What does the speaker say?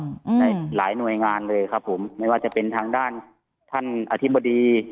ในหลายหน่วยงานเลยครับผมไม่ว่าจะเป็นทางด้านท่านอธิบดี